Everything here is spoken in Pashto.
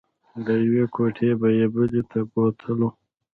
له یوې کوټې به یې بلې ته بوتلو.